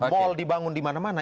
bol dibangun dimana mana